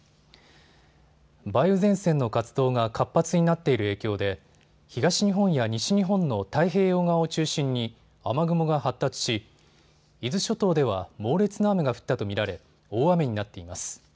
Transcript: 梅雨前線の活動が活発になっている影響で東日本や西日本の太平洋側を中心に雨雲が発達し伊豆諸島では猛烈な雨が降ったと見られ、大雨になっています。